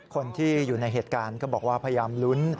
คนที่อยู่ในเหตุการณ์ก็บอกว่าพยายามลุ้น